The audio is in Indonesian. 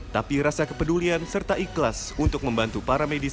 tapi rasa kepedulian serta ikhlas untuk membantu para medis